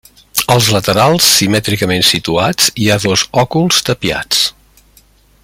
Als laterals simètricament situats hi ha dos òculs tapiats.